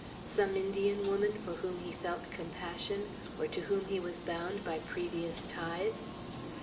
Some Indian woman for whom he felt compassion, or to whom he was bound by previous ties?